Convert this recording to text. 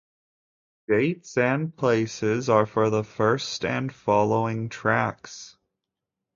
Dates and places are for the first and following tracks.